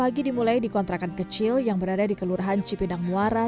pagi dimulai di kontrakan kecil yang berada di kelurahan cipinang muara